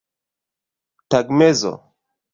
tagmezo